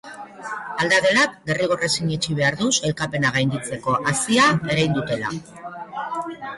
Aldagelak derrigorrez sinetsi behar du sailkapena gainditzeko hazia erein dutela.